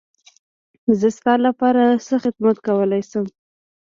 زه ستا لپاره څه خدمت کولی شم.